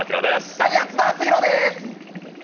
ダイアン・津田篤宏です。